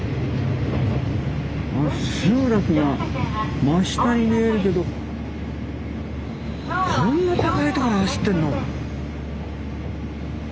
あっ集落が真下に見えるけどこんな高い所走ってんの。